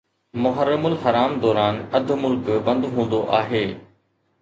محرم الحرام دوران اڌ ملڪ بند هوندو آهي.